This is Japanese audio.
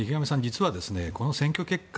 実はこの選挙結果